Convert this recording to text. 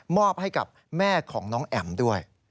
อบให้กับแม่ของน้องแอ๋มด้วย